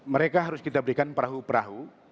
mereka harus kita berikan perahu perahu